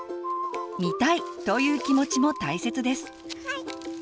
「見たい！」という気持ちも大切です。